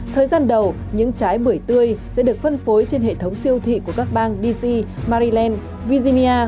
thời gian đầu những trái bưởi tươi sẽ được phân phối trên hệ thống siêu thị của các bang dc mariland virginia